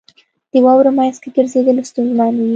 • د واورې مینځ کې ګرځېدل ستونزمن وي.